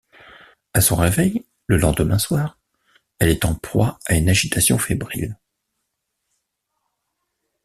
À son réveil, le lendemain soir, elle est en proie à une agitation fébrile.